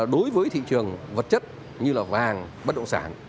đối với thị trường vật chất như là vàng bất động sản